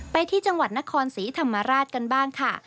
ไปที่จังหวัดนครศรีธรรมราชกันบ้างค่ะ